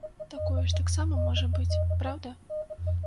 Такое ж таксама можа быць, праўда?